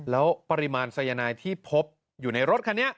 แล้วปริมาณสายนายที่พบอยู่ในรถคันนี้